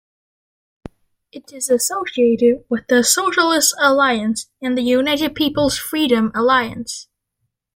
It is associated with the Socialist Alliance and the United People's Freedom Alliance.